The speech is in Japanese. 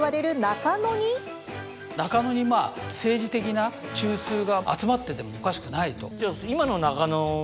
中野に政治的な中枢が集まっててもおかしくないと。